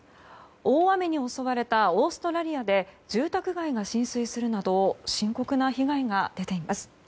大雨に襲われたオーストラリアで住宅街が浸水するなど深刻な被害が出ています。